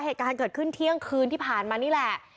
เหตุการณ์เกิดขึ้นเที่ยงคืนที่ผ่านมานี่แหละ